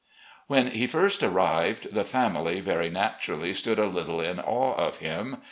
'' When he first arrived, the family, very naturally, stood a little in awe of him.